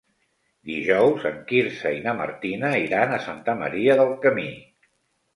Dijous en Quirze i na Martina iran a Santa Maria del Camí.